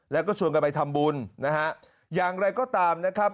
แล้วก็ชวนกันไปทำบุญนะฮะอย่างไรก็ตามนะครับ